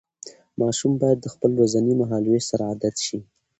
ماشوم باید د خپل ورځني مهالوېش سره عادت شي.